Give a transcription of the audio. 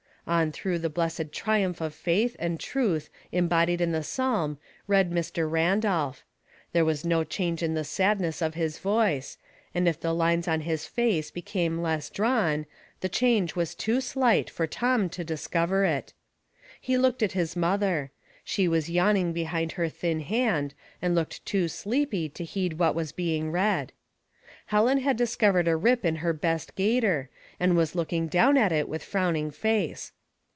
On through the blessed triumph of faith and truth embodied in the psalm read Mr. Randolph. There was no change in the sadness of his voice, and if the lines on his face became less drawn, the change was too slight for Tom to discover it. He looked at his mother. She was yawning be hind her thin hand and looked too sleepy to heed what was being read. Helen had discovered a rip in her best gaiter, and was looking down at it with frowning face.